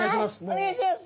お願いします！